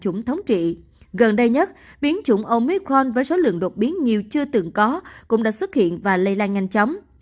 chủng thống trị gần đây nhất biến chủng omitron với số lượng đột biến nhiều chưa từng có cũng đã xuất hiện và lây lan nhanh chóng